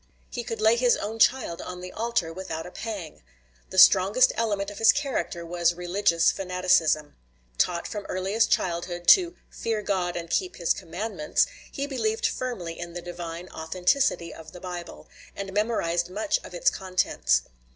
He could lay his own child on the altar without a pang. The strongest element of his character was religious fanaticism. Taught from earliest childhood to "fear God and keep his commandments," he believed firmly in the divine authenticity of the Bible, and memorized much of its contents.